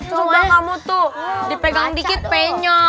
coba kamu tuh dipegang dikit penyok